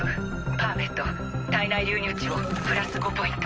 パーメット体内流入値をプラス５ポイント。